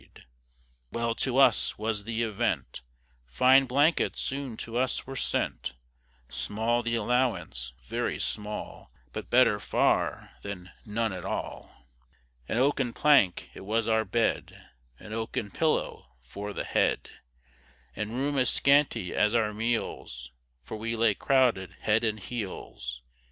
And well to us was the event, Fine blankets soon to us were sent; Small the allowance, very small, But better far than none at all. An oaken plank, it was our bed, An oaken pillow for the head, And room as scanty as our meals, For we lay crowded head and heels.